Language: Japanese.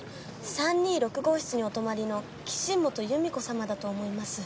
３２６５室にお泊まりの岸本由美子様だと思います。